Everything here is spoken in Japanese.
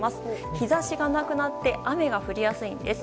日差しがなくなって雨が降りやすいです。